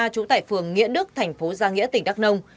trụ tại phường nghĩa đức thành phố gia nghĩa tỉnh đắk đông